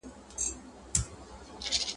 قدرت به نه وای د تُف دانیو ,